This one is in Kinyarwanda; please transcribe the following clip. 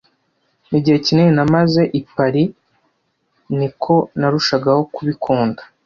Igihe kinini namaze i Paris, ni ko narushagaho kubikunda.